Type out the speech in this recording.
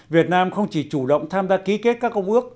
việt nam không chỉ chủ động tham gia ký kết các công ước